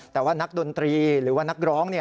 แต่ว่านักดนตรีหรือว่านักร้อง